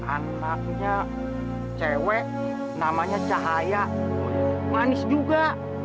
anaknya cewek namanya cahaya manis juga